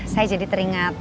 saya jadi teringat